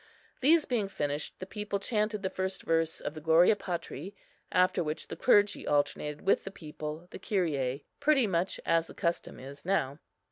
These being finished, the people chanted the first verse of the Gloria Patri, after which the clergy alternated with the people the Kyrie, pretty much as the custom is now.